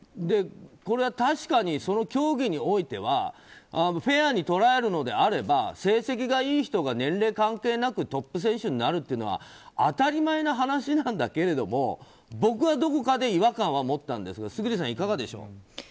これは確かにその競技においてはフェアに捉えるのであれば成績がいい人が年齢関係なくトップ選手になるっていうのは当たり前な話なんだけれども僕はどこかで違和感は持ったんですが村主さん、いかがでしょう？